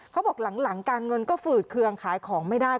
เขาบอกหลังการเงินก็ฝืดเคืองขายของไม่ได้